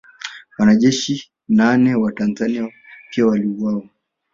Wanajeshi nane wa Tanzania pia waliuawa